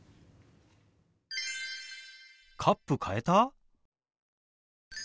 カップ変えた？